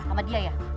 sama dia ya